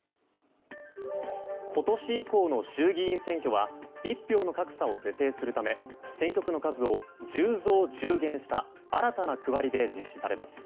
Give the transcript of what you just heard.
今年以降の衆議院選挙は一票の格差を是正するため選挙区の数を１０増１０減した新たな区割りで実施されます。